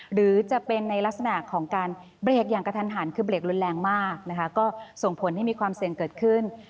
หรือจะเป็นในลักษณะของการเบรกอย่างกระทันหันคือเบรกรุนแรงมากนะคะก็ส่งผลให้มีความเสี่ยงเกิดขึ้น